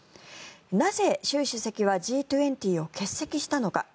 なぜ習主席はＧ２０を欠席したのか。